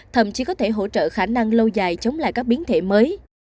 thậm chí có thể hỗ trợ khả năng lâu dài chống lại các biến thể mới